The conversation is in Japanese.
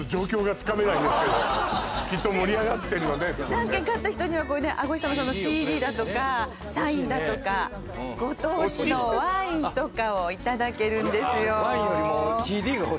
じゃんけん勝った人にはあご勇さんのＣＤだとかサインだとかご当地のワインとかをいただけるんですよ